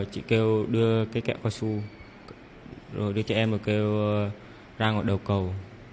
chị kêu đưa cái kẹo khoai su rồi đưa trẻ em kêu ra ngọn đầu cầu